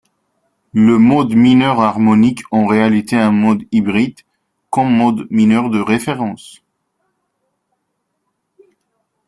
Le mode mineur harmonique, en réalité un mode hybride, comme mode mineur de référence.